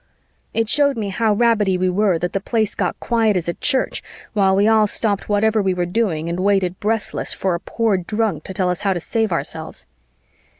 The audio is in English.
It showed me how rabbity we were that the Place got quiet as a church while we all stopped whatever we were doing and waited breathless for a poor drunk to tell us how to save ourselves.